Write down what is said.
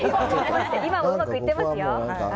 今もうまくいってますよ。